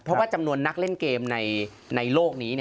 เพราะว่าจำนวนนักเล่นเกมในโลกนี้